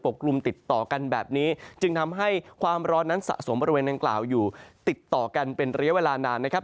กลุ่มติดต่อกันแบบนี้จึงทำให้ความร้อนนั้นสะสมบริเวณดังกล่าวอยู่ติดต่อกันเป็นระยะเวลานานนะครับ